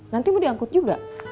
nanti mau diangkut juga